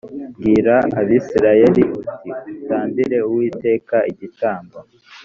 bwira abisirayeli uti utambire uwiteka igitambo